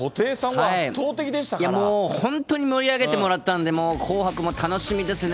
もう本当に盛り上げてもらったんで、もう紅白も楽しみですね。